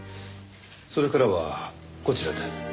それからはこちらで？